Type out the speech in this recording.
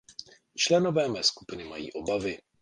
Členové mé skupiny mají obavy.